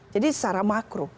jadi secara makro